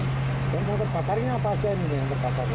yang terbakar ini apa aja